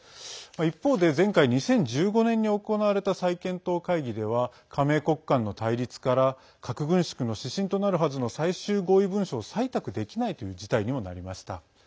一方で前回２０１５年に行われた再検討会議では加盟国間の対立から核軍縮の指針となるはずの最終合意文書を採択できないという事態にもなりました。